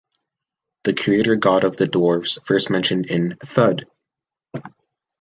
The creator god of the dwarfs, first mentioned in "Thud!".